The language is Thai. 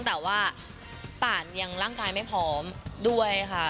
แต่ว่าป่านยังร่างกายไม่พร้อมด้วยค่ะ